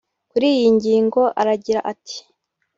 Kuri iyi ngingo aragira ati